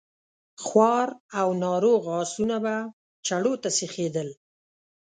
خوار او ناروغ آسونه به چړو ته سيخېدل.